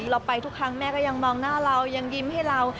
เราไปทุกครั้งแม่ก็ยังมองหน้าเรายังยิ้มให้เรา